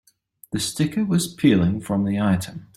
The sticker was peeling from the item.